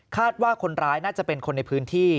ว่าคนร้ายน่าจะเป็นคนในพื้นที่